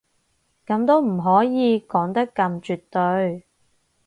噉都唔可以講得咁絕對